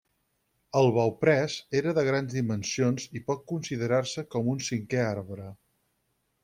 El bauprès era de grans dimensions i pot considerar-se com un cinquè arbre.